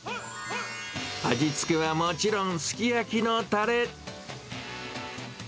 味付けはもちろん、すき焼きのたれ。